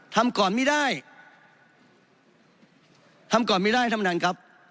ทำก่อนไม่ได้ทำก่อนไม่ได้ท่านประธานครับ